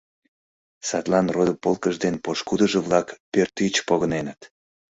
Садлан родо-полкыж ден пошкудыжо-влак пӧрт тич погыненыт.